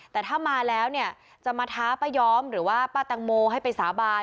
แต่ถ้ามาแล้วเนี่ยจะมาท้าป้าย้อมหรือว่าป้าแตงโมให้ไปสาบาน